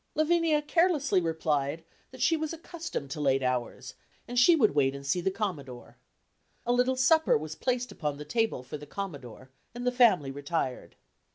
Lavinia carelessly replied, that she was accustomed to late hours, and she would wait and see the Commodore. A little supper was placed upon the table for the Commodore, and the family retired.